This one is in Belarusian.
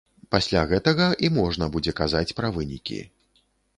Пасля гэтага і можна будзе казаць пра вынікі.